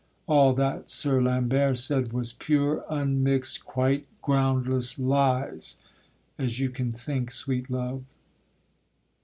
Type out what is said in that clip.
All that Sir Lambert said was pure, unmix'd, Quite groundless lies; as you can think, sweet love.